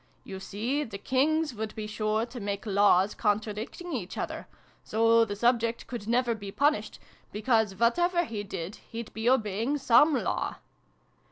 You see, the Kings would be sure to make Laws contradicting each other : so the Subject could never be punished, because, whatever he did, he'd be obeying some Law."